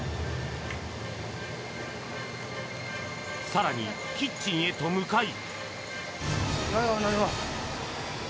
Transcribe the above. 更に、キッチンへと向かい。